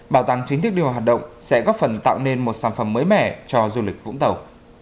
bảo tàng chính thức đi vào hoạt động sẽ góp phần tạo nên một sản phẩm mới mẻ cho du lịch vũng tàu